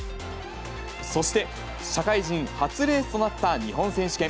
そして、社会人初レースとなった日本選手権。